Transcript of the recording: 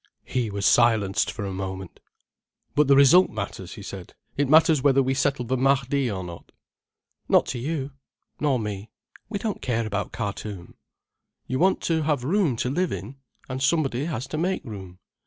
He was silenced for a moment. "But the result matters," he said. "It matters whether we settle the Mahdi or not." "Not to you—nor me—we don't care about Khartoum." "You want to have room to live in: and somebody has to make room."